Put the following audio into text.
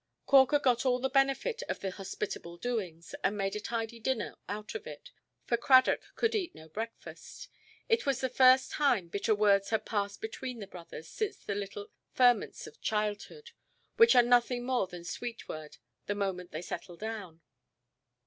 Corker got all the benefit of the hospitable doings, and made a tidy dinner out of it, for Cradock could eat no breakfast. It was the first time bitter words had passed between the brothers since the little ferments of childhood, which are nothing more than sweetword the moment they settle down.